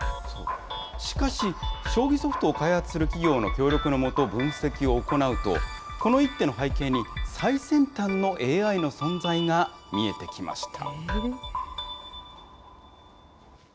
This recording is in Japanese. しかし、将棋ソフトを開発する企業の協力の下、分析を行うと、この一手の背景に、最先端のＡＩの存在が見えてきました。